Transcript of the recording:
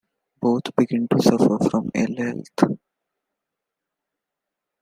Both begin to suffer from ill health.